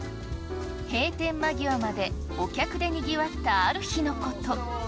閉店間際までお客でにぎわったある日のこと。